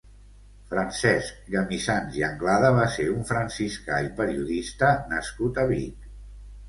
Francesc Gamissans i Anglada va ser un franciscà i periodista nascut a Vic.